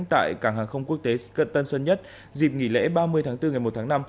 tại cảng hàng không quốc tế tân sơn nhất dịp nghỉ lễ ba mươi tháng bốn ngày một tháng năm